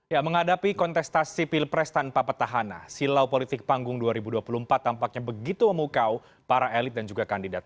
ya menghadapi kontestasi pilpres tanpa petahana silau politik panggung dua ribu dua puluh empat tampaknya begitu memukau para elit dan juga kandidat